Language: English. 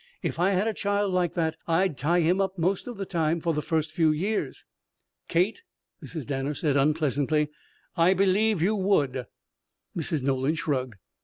If I had a child like that, I'd tie it up most of the time for the first few years." "Kate," Mrs. Danner said unpleasantly, "I believe you would." Mrs. Nolan shrugged.